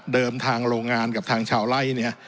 เดิมทางโรงงานกับทางชาวไล่